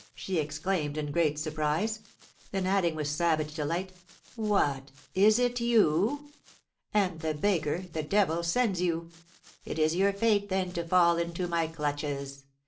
she exclaimed, in great surprise. Then adding with savage delight, "What, is it you? Ah, the baker (the devil) sends you! It is your fate, then, to fall into my clutches!